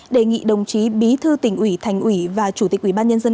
đề nghị đồng chí bí thư tỉnh ủy thành ủy và chủ tịch ủy ban nhân dân